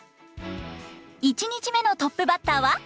１日目のトップバッターは。